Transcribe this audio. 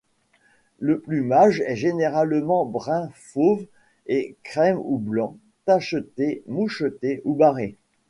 Le plumage est généralement brun fauve et crème ou blanc, tacheté, moucheté ou barré.